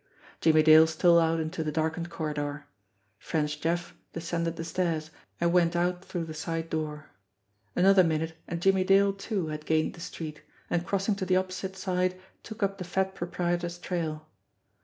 Jimmie Dale stole out into the darkened corridor. French Jeff descended the stairs, and went out through the side door. Another minute and Jimmie Dale, too, had gained the street, and crossing to the opposite side took up the fat proprietor's trail.